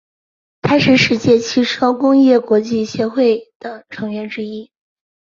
它是世界汽车工业国际协会的成员之一。